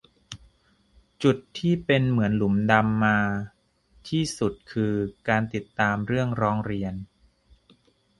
จุดที่เป็นเหมือนหลุมดำมาที่สุดคือ การติดตามเรื่องร้องเรียน